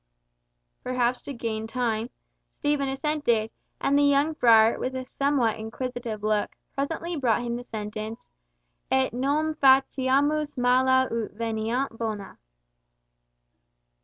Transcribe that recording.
Perhaps to gain time, Stephen assented, and the young friar, with a somewhat inquisitive look, presently brought him the sentence "Et non faciamus mala ut veniant bona."